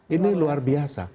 ini luar biasa